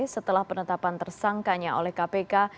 setelah penetapan tersangkanya oleh kpk